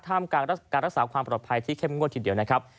การรักษาความปลอดภัยที่เข้มงวดทีเดียวนะครับ